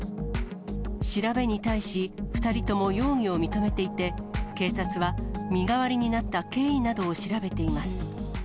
調べに対し、２人とも容疑を認めていて、警察は身代わりになった経緯などを調べています。